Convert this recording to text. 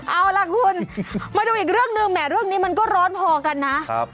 เอาล่ะคุณมาดูอีกเรื่องหนึ่งแหมเรื่องนี้มันก็ร้อนพอกันนะครับ